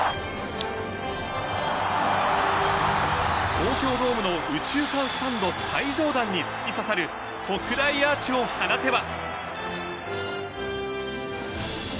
東京ドームの右中間スタンド最上段に突き刺さる特大アーチを放てば。